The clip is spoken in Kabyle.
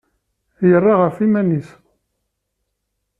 Yerra ɣef yiman-nnes.